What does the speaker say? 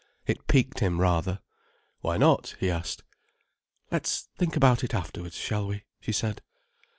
It piqued him rather. "Why not?" he asked. "Let's think about it afterwards, shall we?" she said.